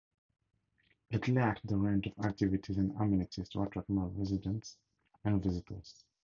It lacked the range of activities and amenities to attract more residents and visitors.